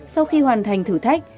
sau khi hoàn thành thử thách